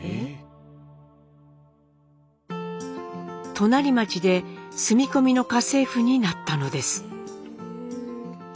隣町で住み込みの家政婦になったのです。